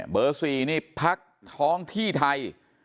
๔นี่พักท้องที่ไทย